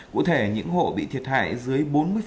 cụ thể những hộ bị thiệt hại dưới bốn mươi